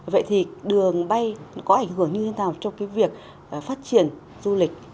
vậy thì đường bay có ảnh hưởng như thế nào cho cái việc phát triển du lịch